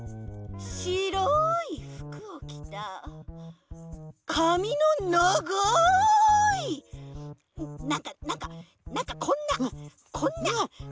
しろいふくをきたかみのながいなんかなんかなんかこんなこんなこんなふく。